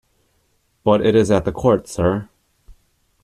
But it is at the Court, sir.